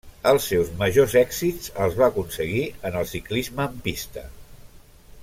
Els seus majors èxits els va aconseguir en el ciclisme en pista.